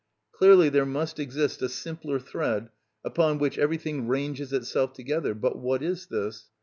Clearly there must exist a simpler thread upon which everything ranges itself together: but what is this?